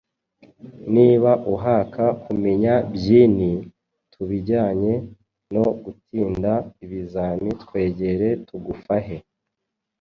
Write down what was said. Niba uhaka kumenya byinhi kubijyanye no gutinda ibizami twegere tuguffahe